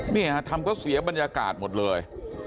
ทำก็เสียบรรยากาศหมดเลย